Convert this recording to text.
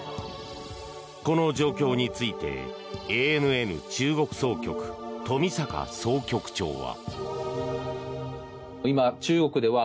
この状況についてＡＮＮ中国総局冨坂総局長は。